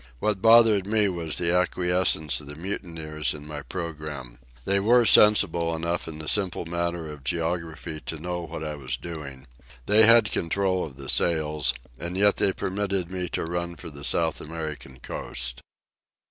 What bothered me was the acquiescence of the mutineers in my programme. They were sensible enough in the simple matter of geography to know what I was doing. They had control of the sails, and yet they permitted me to run for the South American coast.